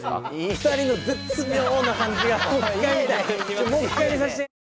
２人の絶妙な感じがもう一回見たい